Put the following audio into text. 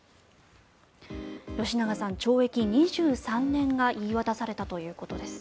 吉永さん、懲役２３年が言い渡されたということです。